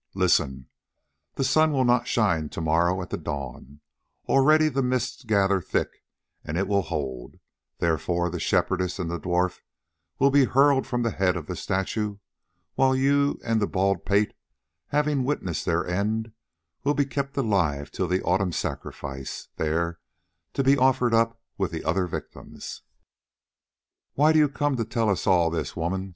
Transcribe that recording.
Listen: the sun will not shine to morrow at the dawn; already the mist gathers thick and it will hold, therefore the Shepherdess and the Dwarf will be hurled from the head of the statue, while you and the Bald pate, having witnessed their end, will be kept alive till the autumn sacrifice, then to be offered up with the other victims." "Why do you come to tell us all this, woman?"